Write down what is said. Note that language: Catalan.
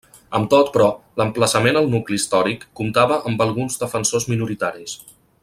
Amb tot, però, l'emplaçament al nucli històric comptava amb alguns defensors minoritaris.